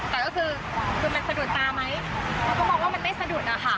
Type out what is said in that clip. แต่ก็คือคือมันสะดุดตาไหมเขาก็มองว่ามันไม่สะดุดอะค่ะ